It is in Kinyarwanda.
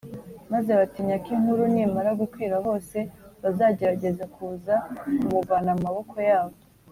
maze batinya ko inkuru nimara gukwira hose, bazagerageza kuza kumuvana mu maboko yabo